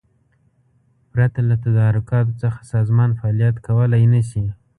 پرته له تدارکاتو څخه سازمان فعالیت کولای نشي.